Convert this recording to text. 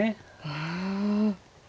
うん。